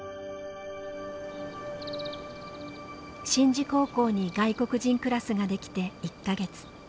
宍道高校に外国人クラスが出来て１か月。